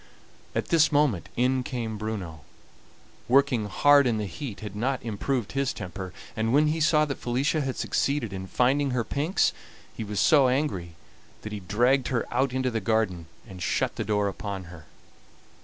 At this moment in came Bruno. Working hard in the heat had not improved his temper, and when he saw that Felicia had succeeded in finding her pinks he was so angry that he dragged her out into the garden and shut the door upon her.